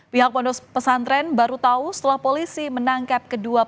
pihak pondok pesantren baru tahu setelah polisi menangkap kedua pelaku